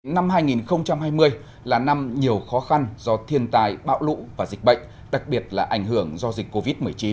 năm hai nghìn hai mươi là năm nhiều khó khăn do thiên tài bạo lũ và dịch bệnh đặc biệt là ảnh hưởng do dịch covid một mươi chín